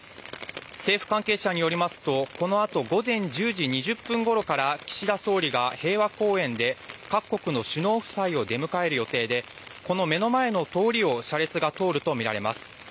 政府関係者によりますとこのあと午前１０時２０分ごろから岸田総理が平和公園で各国の首脳夫妻を出迎える予定でこの目の前の通りを車列が通るとみられます。